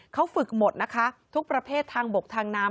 เขาฝึกหมดนะคะทุกประเภททางบกทางน้ำ